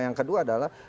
yang kedua adalah